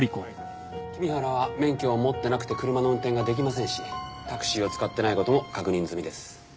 君原は免許を持ってなくて車の運転ができませんしタクシーを使ってない事も確認済みです。